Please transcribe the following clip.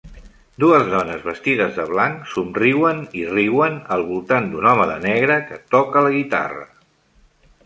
Dues dones vestides de blanc somriuen i riuen al voltant d'un home de negre que toca la guitarra.